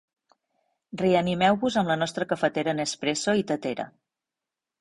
Reanimeu-vos amb la nostra cafetera Nespresso i tetera.